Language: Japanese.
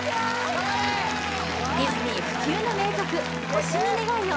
・頑張れディズニー不朽の名曲「星に願いを」